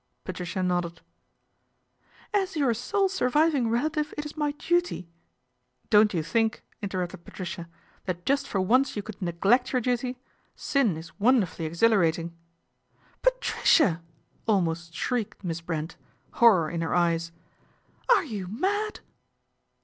Patricia nodded. " As your sole surviving relative it is my duty " 11 Don't you think," interrupted Patricia, " that just for once you could neglect your duty ? Sin is wonderfully exhilarating." " Patricia !" almost shrieked Miss Brent, horror in her eyes. " Are you mad